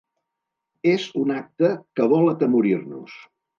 És un acte que vol atemorir-nos.